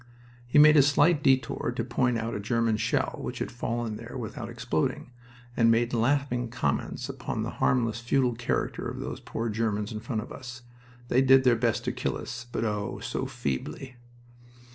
He made a slight detour to point out a German shell which had fallen there without exploding, and made laughing comments upon the harmless, futile character of those poor Germans in front of us. They did their best to kill us, but oh, so feebly!